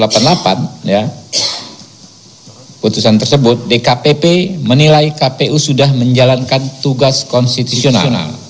putusan tersebut dkpp menilai kpu sudah menjalankan tugas konstitusional